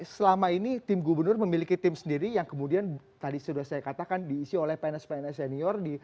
selama ini tim gubernur memiliki tim sendiri yang kemudian tadi sudah saya katakan diisi oleh pns pns senior